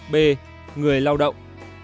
b người lao động